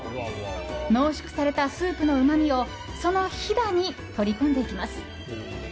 濃縮されたスープのうまみをそのひだに取り込んでいきます。